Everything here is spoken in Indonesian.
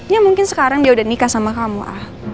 ya mungkin sekarang dia udah nikah sama kamu